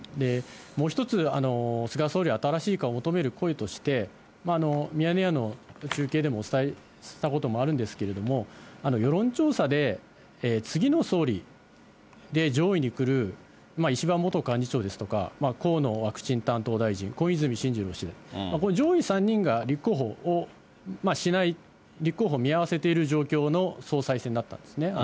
もう１つ、菅総理、新しい顔を求める声として、ミヤネ屋の中継でもお伝えしたこともあるんですけれども、世論調査で次の総理で上位にくる、石破元幹事長ですとか、河野ワクチン担当大臣、小泉新次郎氏、この上位３人が立候補をしない、立候補を見合わせている状況の総裁選だったんですね。